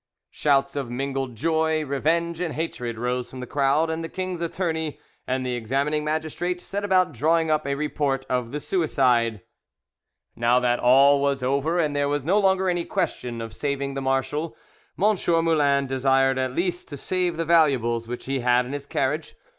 Shouts of mingled joy, revenge, and hatred rose from the crowd, and the king's attorney and the examining magistrate set about drawing up a report of the suicide. Now that all was over and there was no longer any question of saving the marshal, M. Moulin desired at least to save the valuables which he had in his carriage.